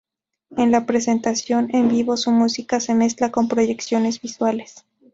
En las presentaciones en vivo su música se mezcla con proyecciones visuales.